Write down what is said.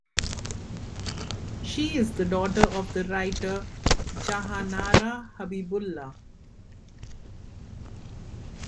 She is the daughter of the writer Jahanara Habibullah.